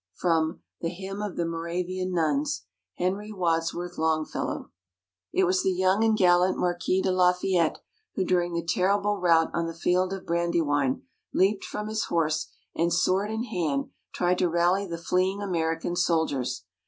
_ From The Hymn of the Moravian Nuns, HENRY WADSWORTH LONGFELLOW It was the young and gallant Marquis de Lafayette, who during the terrible rout on the field of Brandywine, leaped from his horse, and sword in hand tried to rally the fleeing American soldiers.